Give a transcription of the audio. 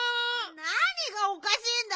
なにがおかしいんだよ。